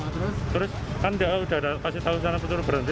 terus kan dia udah kasih tau sana betul berhenti